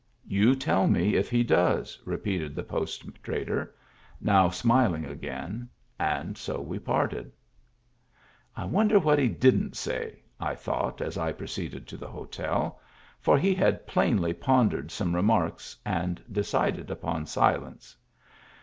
"You tell me if he does," repeated the post trader, now smiling again, and so we parted. " I wonder what he didn't say ?" I thought as I proceeded to the hotel ; for he had plainly pon dered some remarks and decided upon silence.